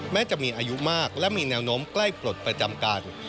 แม้จะมีอายุมากและมีแนวโน้มใกล้ปลดประจำการ